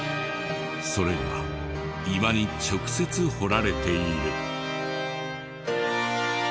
それが岩に直接彫られている。